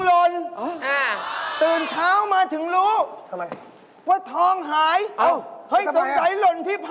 เหี้ยเจอเหรอใจบอกพี่นี่